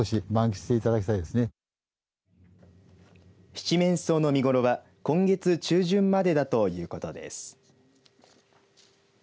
シチメンソウの見頃は今月中旬までだということです。